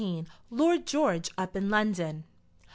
LORD GEORGE UP IN LONDON.